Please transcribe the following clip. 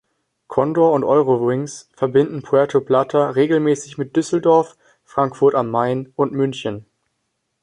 Condor und Eurowings verbinden Puerto Plata regelmäßig mit Düsseldorf, Frankfurt am Main und München.